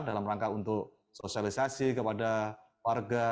dalam rangka untuk sosialisasi kepada warga